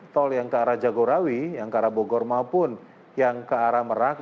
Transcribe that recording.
tol yang ke arah jagorawi yang ke arah bogor maupun yang ke arah merak